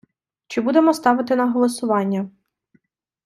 Чи будемо ставити на голосування?